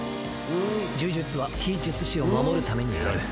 呪術は非術師を守るためにある。